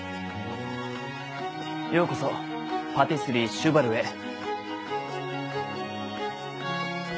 ようこそパティスリー・シュバルへ。